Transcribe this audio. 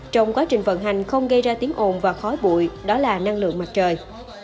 trong quá trình vận hành không gây ra tiếng ồn và khói bụi đó là năng lượng mặt trời